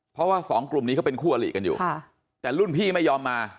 เพราะว่าสองกลุ่มนี้เขาเป็นคู่อลิกันอยู่แต่รุ่นพี่ไม่ยอมมา